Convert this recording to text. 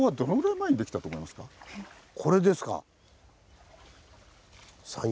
これですか。